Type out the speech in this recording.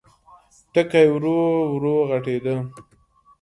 ټکی ورو، ورو غټېده.